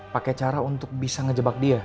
pakai cara untuk bisa ngejebak dia